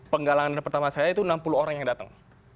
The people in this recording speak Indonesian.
penggalangan pertama saya itu enam puluh orang yang datang